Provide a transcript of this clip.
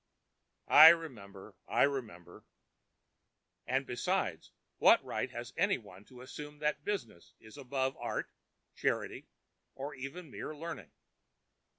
"I remember—I remember——" "And besides, what right has any one to assume that business is above art, charity or even mere learning?